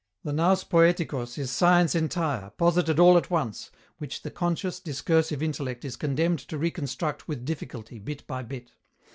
The [Greek: nous poiêtikos] is Science entire, posited all at once, which the conscious, discursive intellect is condemned to reconstruct with difficulty, bit by bit.